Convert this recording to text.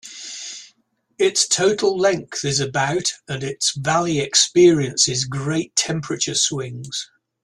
Its total length is about and its valley experiences great temperature swings.